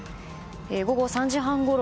午後３時半ごろ